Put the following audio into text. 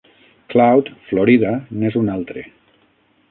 Cloud, Florida, n'és un altre.